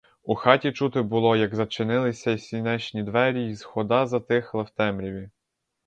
У хаті чути було, як зачинилися сінешні двері й хода затихла в темряві.